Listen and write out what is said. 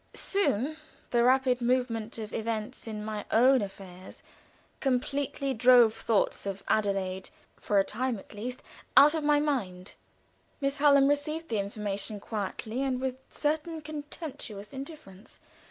Soon the rapid movement of events in my own affairs completely drove thoughts of Adelaide for a time, at least, out of my mind. Miss Hallam received the information quietly and with a certain contemptuous indifference.